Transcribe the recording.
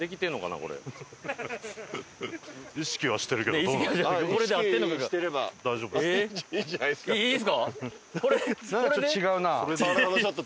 なんかちょっと違うな。